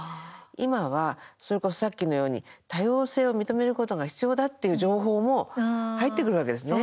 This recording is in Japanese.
今は、さっきのように多様性を認めることが必要だって情報も入ってくるわけですね。